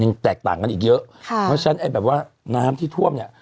ยังแตกต่างกันอีกเยอะค่ะเพราะฉะนั้นไอ้แบบว่าน้ำที่ท่วมเนี้ย